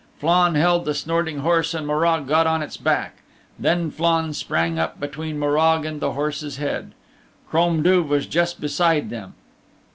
Flann held the snorting horse and Morag got on its back. Then Flann sprang up between Morag and the horse's head. Crom Duv was just beside them.